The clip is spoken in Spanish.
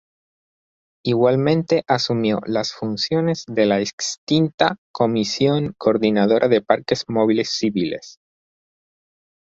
Igualmente asumió las funciones de la extinta Comisión Coordinadora de Parques Móviles Civiles.